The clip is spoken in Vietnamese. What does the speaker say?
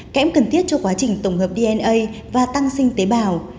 kém cần thiết cho quá trình tổng hợp dna và tăng sinh tế bào